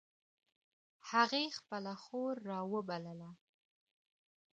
هغې خپله خور را و بلله